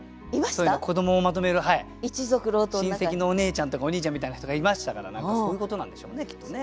子どもをまとめる親戚のおねえちゃんとかおにいちゃんみたいな人がいましたから何かそういうことなんでしょうねきっとね。